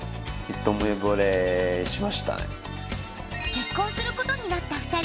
結婚することになった２人。